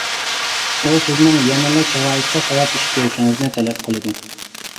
ئۇ سىزنىڭ يەنىلا شارائىتقا قاراپ ئىش كۆرۈشىڭىزنى تەلەپ قىلىدۇ.